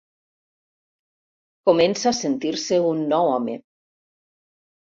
Comença a sentir-se un nou home.